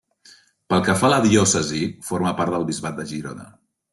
Pel que fa a la diòcesi, forma part del bisbat de Girona.